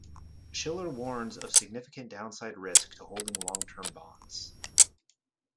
Shiller warns of significant downside risk to holding long term bonds.